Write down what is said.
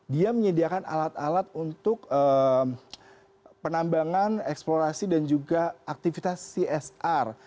dia menyediakan alat alat untuk penambangan eksplorasi dan juga aktivitas csr